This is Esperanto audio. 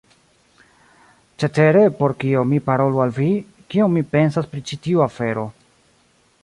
Cetere por kio mi parolu al vi, kion mi pensas pri ĉi tiu afero.